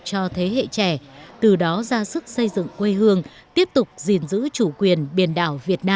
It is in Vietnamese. cho thế hệ trẻ từ đó ra sức xây dựng quê hương tiếp tục gìn giữ chủ quyền biển đảo việt nam